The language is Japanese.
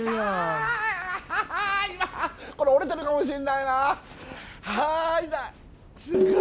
これ折れてるかもしんないな。は痛い！